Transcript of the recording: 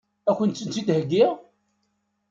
Ad kent-tent-id-heggiɣ?